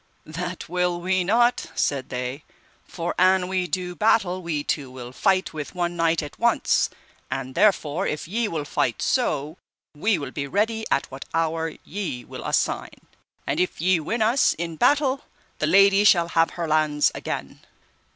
That will we not, said they, for an we do battle, we two will fight with one knight at once, and therefore if ye will fight so, we will be ready at what hour ye will assign. And if ye win us in battle the lady shall have her lands again.